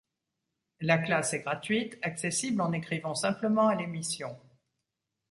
La classe est gratuite, accessible en écrivant simplement à l'émission.